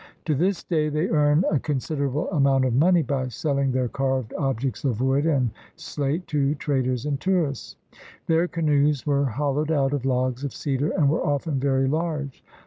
To this day they earn a considerable amount of money by selhng their carved objects of wood and slate to traders and tourists. Their canoes were hol lowed out of logs of cedar and were often very large.